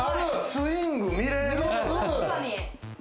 スイング見れる。